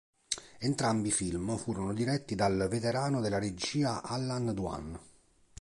Entrambi i film furono diretti dal veterano della regia Allan Dwan.